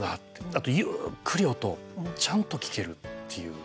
あと、ゆっくり音ちゃんと聞けるっていう。